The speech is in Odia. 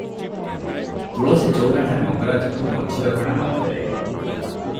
ତୁଳସୀ ଚଉରାଟା ମଙ୍ଗରାଜଙ୍କ ମଝିଅଗଣା ମଧ୍ୟରେ ।